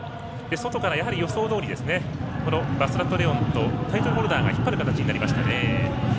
外から予想どおりバスラットレオンとタイトルホルダーが引っ張る形になりましたね。